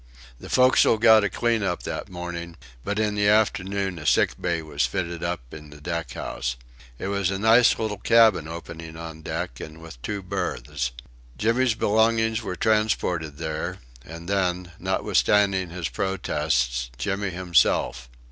The forecastle got a clean up that morning; but in the afternoon a sick bay was fitted up in the deck house. It was a nice little cabin opening on deck, and with two berths. Jimmy's belongings were transported there, and then notwithstanding his protests Jimmy himself.